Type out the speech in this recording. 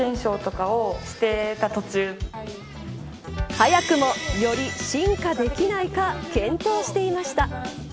早くも、より進化できないか検討していました。